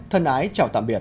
thân ái chào tạm biệt